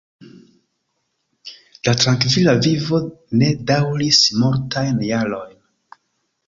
La trankvila vivo ne daŭris multajn jarojn.